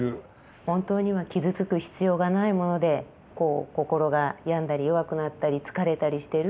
本当には傷つく必要がないものでこう心が病んだり弱くなったり疲れたりしてるっていうことを。